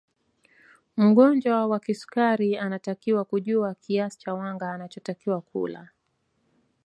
Mgonjwa wa kisukari anatakiwa kujua kiasi cha wanga anachotakiwa kula